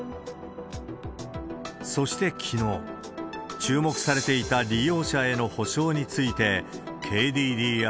そしてきのう、注目されていた利用者への補償について、ＫＤＤＩは。